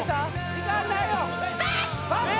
時間ないよああ